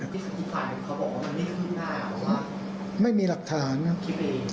พี่ศักดิ์ฝ่ายเขาบอกว่ามันไม่ขึ้นได้หรอว่าไม่มีหลักฐานนะ